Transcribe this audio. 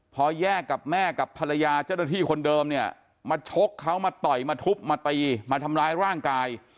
พอแยกกับแม่กับภรรยาเจ้าหน้าที่คนเดิมเนี่ยมาชกเขามาต่อยมาทุบมาตีมาทำร้ายร่างกาย